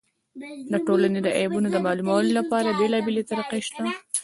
د ټولني د عیبونو د معلومولو له پاره بېلابېلې طریقي سته.